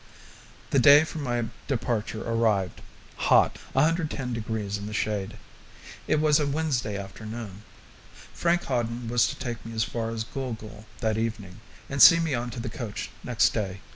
The day for my departure arrived hot, 110 degrees in the shade. It was a Wednesday afternoon. Frank Hawden was to take me as far as Gool Gool that evening, and see me on to the coach next day.